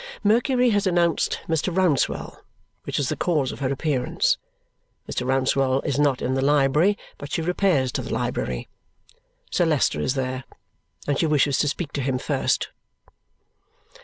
Mercury has announced Mr. Rouncewell, which is the cause of her appearance. Mr. Rouncewell is not in the library, but she repairs to the library. Sir Leicester is there, and she wishes to speak to him first.